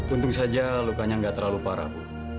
untung saja lukanya nggak terlalu parah